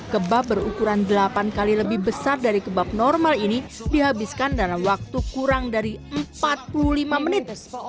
kebab berukuran delapan kali lebih besar dari kebab normal ini dihabiskan dalam waktu kurang dari empat puluh lima menit